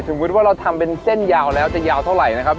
มุติว่าเราทำเป็นเส้นยาวแล้วจะยาวเท่าไหร่นะครับ